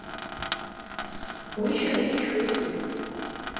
Уи шәара ишәусуп.